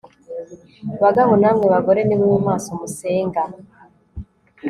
Bagabo namwe bagore nimube maso musenga